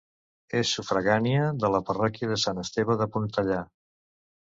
És sufragània de la parroquial de Sant Esteve de Pontellà.